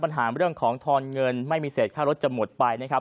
ปัญหาเรื่องของทอนเงินไม่มีเศษค่ารถจะหมดไปนะครับ